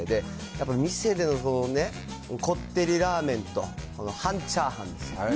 やっぱり店でのそのね、こってりラーメンと半チャーハンですよ。